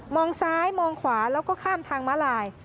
ซ้ายมองขวาแล้วก็ข้ามทางม้าลาย